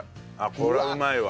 これはうまいわ。